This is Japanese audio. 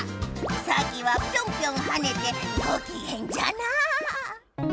サキはぴょんぴょんはねてごきげんじゃな。